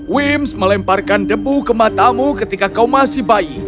wimps melemparkan debu ke matamu ketika kau masih bayi